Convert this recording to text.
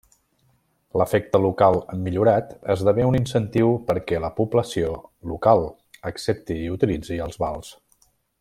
L'efecte local millorat esdevé un incentiu perquè la població local accepti i utilitzi els vals.